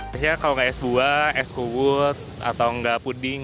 biasanya kalau nggak es buah es kuwut atau nggak puding